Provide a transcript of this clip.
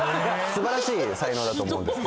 素晴らしい才能だと思います。